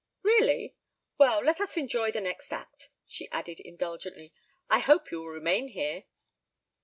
"Really? Well, let us enjoy the next act," she added indulgently. "I hope you will remain here."